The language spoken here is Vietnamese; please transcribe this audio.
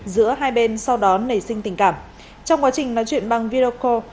giữa hai bên sau đó nảy sinh tình cảm trong quá trình nói chuyện bằng video call